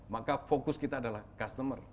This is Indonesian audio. maka fokus kita adalah customer